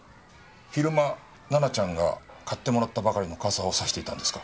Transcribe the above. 昼間奈々ちゃんが買ってもらったばかりの傘を差していたんですか？